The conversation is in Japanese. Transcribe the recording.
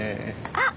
あっ！